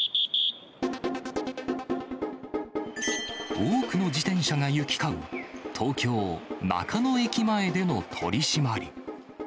多くの自転車が行き交う、東京・中野駅前での取締り。